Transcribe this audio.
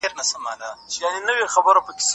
واکمن بايد د ناخوالو په وړاندې بې تفاوته پاتې نسي.